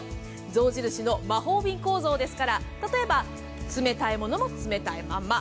象印のマホービン構造ですから例えば、冷たいものも冷たいまま。